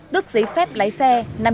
đức giấy phép lái xe năm trăm sáu mươi